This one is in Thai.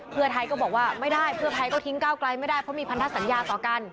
เพื่อไทยก็บอกว่าไม่ได้เพื่อไทยก็ทิ้งก้าวไกลไม่ได้เพราะมีพันธสัญญาต่อกัน